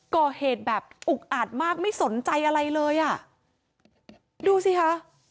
ก่อเหตุแบบอุกอาจมากไม่สนใจอะไรเลยอ่ะดูสิคะ